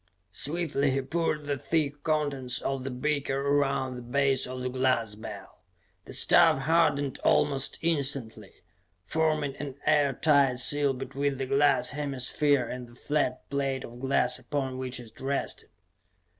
Swiftly he poured the thick contents of the beaker around the base of the glass bell. The stuff hardened almost instantly, forming an air tight seal between the glass hemisphere and the flat plate of glass upon which it rested.